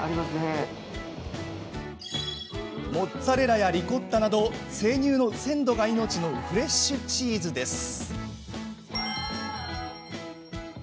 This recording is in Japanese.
モッツァレラやリコッタなど生乳の鮮度が命のフレッシュチーズです。